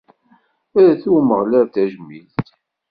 Rret i Umeɣlal tajmilt!